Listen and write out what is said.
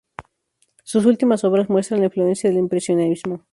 Sus últimas obras muestran la influencia del impresionismo.